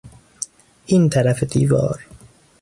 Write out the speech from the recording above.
این طرف دیوار